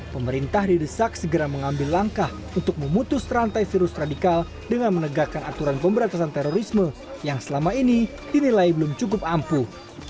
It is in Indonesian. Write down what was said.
pemerintah didesak segera mengambil langkah untuk memutus rantai virus radikal dengan menegakkan aturan pemberantasan terorisme yang selama ini dinilai belum cukup ampuh